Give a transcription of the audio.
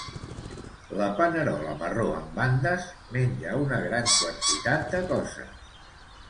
La panerola marró amb bandes menja una gran quantitat de coses.